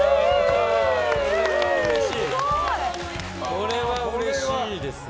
これはうれしいですね。